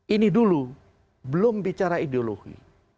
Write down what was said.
ini dulu belum bicara ideologi